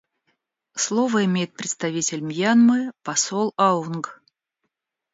Слово имеет представитель Мьянмы посол Аунг.